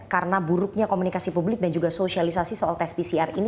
karena buruknya komunikasi publik dan juga sosialisasi soal tes pcr ini